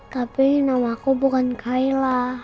tapi namaku bukan kaila